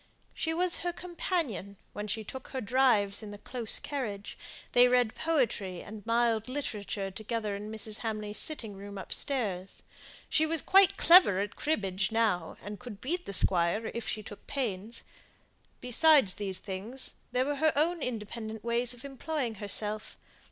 She was her companion when she took her drives in the close carriage; they read poetry and mild literature together in Mrs. Hamley's sitting room upstairs. She was quite clever at cribbage now, and could beat the squire if she took pains. Besides these things, there were her own independent ways of employing herself.